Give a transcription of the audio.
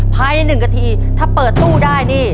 ภายในหนึ่งกระทีถ้าเปิดตู้ได้นี่